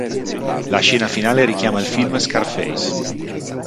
La scena finale richiama il film "Scarface".